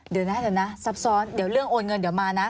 เดี๋ยวนะเดี๋ยวนะซับซ้อนเดี๋ยวเรื่องโอนเงินเดี๋ยวมานะ